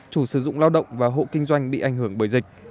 chủ sử dụng lao động và hộ kinh doanh bị ảnh hưởng bởi dịch